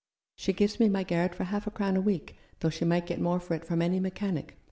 She gives me my garret for half a crown a week, though she might get more for it from any mechanic.